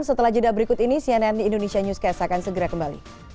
setelah jeda berikut ini cnn indonesia newscast akan segera kembali